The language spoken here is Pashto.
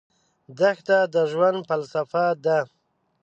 دښته د ژوند فلسفه ده.